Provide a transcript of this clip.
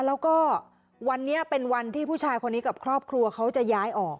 แล้วก็วันนี้เป็นวันที่ผู้ชายคนนี้กับครอบครัวเขาจะย้ายออก